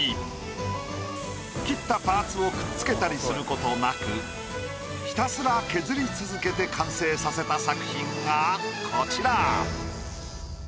切ったパーツをくっつけたりすることなくひたすら削り続けて完成させた作品がこちら。